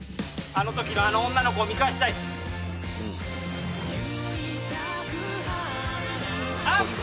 あのときのあの女の子を見返したいっすアップ